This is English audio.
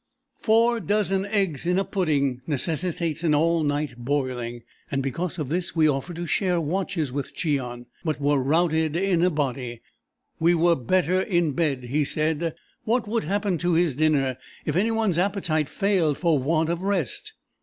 Four dozen eggs in a pudding necessitates an all night boiling, and because of this we offered to share "watches" with Cheon, but were routed in a body. "We were better in bed," he said. What would happen to his dinner if any one's appetite failed for want of rest?